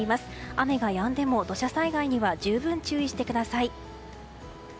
雨がやんでも土砂災害には十分注意してください。